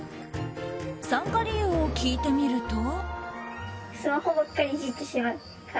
参加理由を聞いてみると。